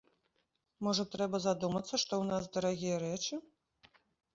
Можа трэба задумацца, што ў нас дарагія рэчы?